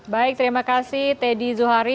baik terima kasih teddy zuhari